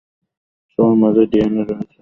সবার মাঝেই ডিএনএ রয়েছে।